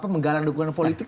menggalang dukungan politik